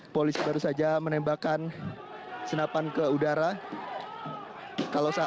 polisi baru saja menembakkan senapan ke udara